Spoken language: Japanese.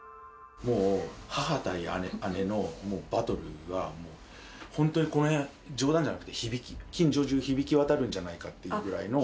もう母対姉のもうバトルは、もう、本当にこの辺、冗談じゃなくて、近所中、響き渡るんじゃないかっていうぐらいの。